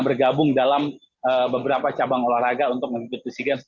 bergabung dalam beberapa cabang olahraga untuk mengikuti sea games